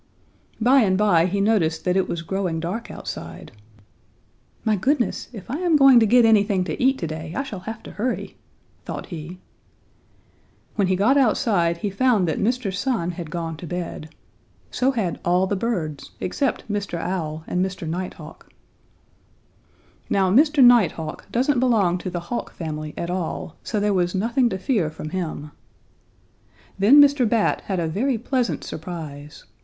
"By and by he noticed that it was growing dark outside. 'My goodness! If I am going to get anything to eat to day, I shall have to hurry,' thought he. When he got outside, he found that Mr. Sun had gone to bed. So had all the birds, except Mr. Owl and Mr. Nighthawk. Now Mr. Nighthawk doesn't belong to the Hawk family at all, so there was nothing to fear from him. Then Mr. Bat had a very pleasant surprise.